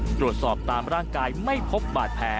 ตรวจสอบตามร่างกายไม่พบบาดแผล